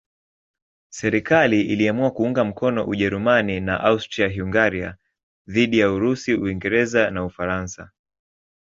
Serikali iliamua kuunga mkono Ujerumani na Austria-Hungaria dhidi ya Urusi, Uingereza na Ufaransa.